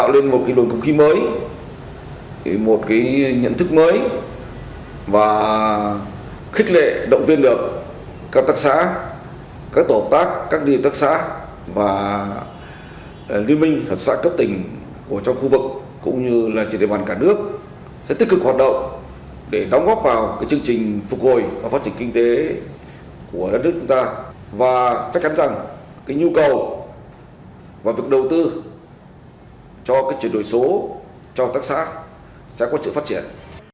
liên minh hợp tác xã cấp tỉnh của trong khu vực cũng như là truyền đề bàn cả nước sẽ tích cực hoạt động để đóng góp vào chương trình phục hồi và phát triển kinh tế của đất nước chúng ta và trách án rằng cái nhu cầu và việc đầu tư cho cái chuyển đổi số cho tác xã sẽ có sự phát triển